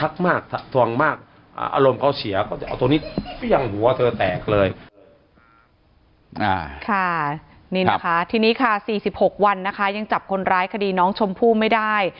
นี่นะคะทีนี้ค่ะ๔๖วันนะคะยังจับคนร้ายคดีน้องชมพู่ไม่ได้